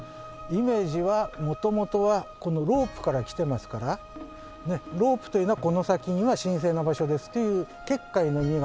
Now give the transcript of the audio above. イメージは元々はこのロープからきてますからロープというのはこの先には神聖な場所ですという結界の意味が。